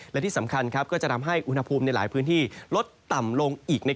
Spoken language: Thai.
และที่สำคัญก็จะทำให้อุณหภูมิในหลายพื้นที่ลดต่ำลงอีก